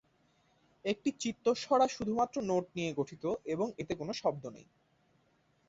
একটি "চিত্তস্বরা" শুধুমাত্র নোট নিয়ে গঠিত এবং এতে কোন শব্দ নেই।